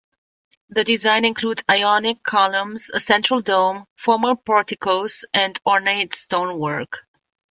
The design includes ionic columns, a central dome, formal porticos, and ornate stonework.